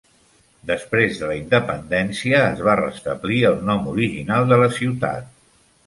Després de la independència es va restablir el nom original de la ciutat.